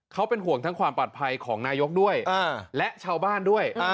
เขาเป็นห่วงทั้งความปลอดภัยของนายกด้วยและชาวบ้านด้วย